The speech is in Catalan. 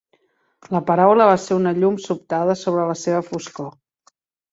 La paraula va ser una llum sobtada sobre la seva foscor.